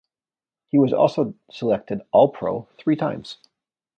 He was also selected All-Pro three times.